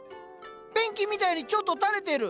ペンキみたいにちょっと垂れてる！